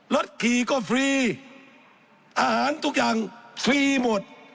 รถขี่ก็ฟรีอาหารทุกอย่างฟรีหมด